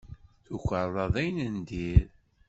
Tukerḍa d ayen n dir.